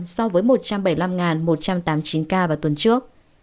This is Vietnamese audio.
so với một trăm bảy mươi năm một trăm tám mươi chín ca vào tuần trước